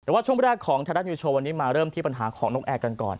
แต่ว่าช่วงแรกของไทยรัฐนิวโชว์วันนี้มาเริ่มที่ปัญหาของนกแอร์กันก่อน